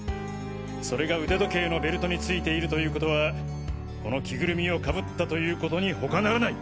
それが腕時計のベルトについているということはこの着ぐるみをかぶったということに他ならない。